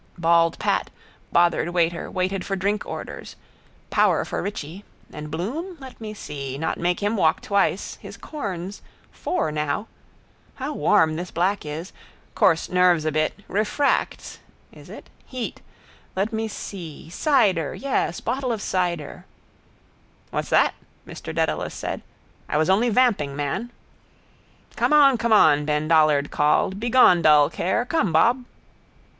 Bald Pat, bothered waiter, waited for drink orders. Power for Richie. And Bloom? Let me see. Not make him walk twice. His corns. Four now. How warm this black is. Course nerves a bit. Refracts (is it?) heat. Let me see. Cider. Yes, bottle of cider. —What's that? Mr Dedalus said. I was only vamping, man. —Come on, come on, Ben Dollard called. Begone dull care. Come, Bob.